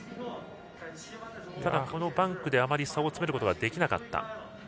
ただ、バンクであまり差を詰めることができなかった。